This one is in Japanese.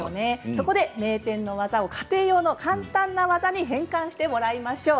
そこで名店の技を家庭用の簡単な技に変換してもらいましょう。